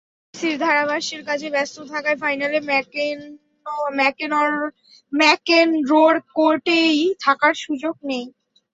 বিবিসির ধারাভাষ্যের কাজে ব্যস্ত থাকায় ফাইনালে ম্যাকেনরোর কোর্টেই থাকার সুযোগ নেই।